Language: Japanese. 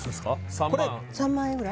３万３万円ぐらい？